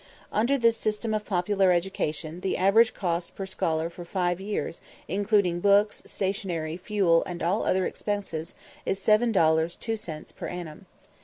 Under this system of popular education, the average cost per scholar for 5 years, including books, stationery, fuel, and all other expenses, is 7 dollars 2 cents per annum.